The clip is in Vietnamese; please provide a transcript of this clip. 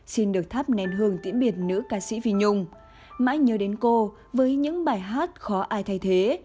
xin được thắp nén hương tiễn biệt nữ ca sĩ vi nhung mãi nhớ đến cô với những bài hát khó ai thay thế